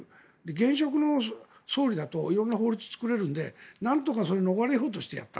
現職の総理だと色んな法律を作れるのでなんとか逃れようとしてやった。